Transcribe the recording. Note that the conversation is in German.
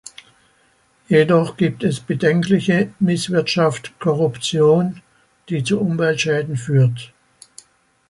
Jedoch gibt es bedenkliche Misswirtschaft Korruption, die zu Umweltschäden führt.